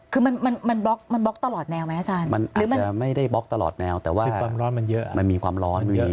ถ้ามันไปอยู่ตรงหน้าประตูเขาก็คือถ้าเขาออกประตูไม่ได้เขาก็ไปซ้ายไปขวาไม่ได้